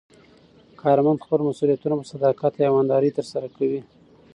کارمند خپل مسوولیتونه په صداقت او ایماندارۍ ترسره کوي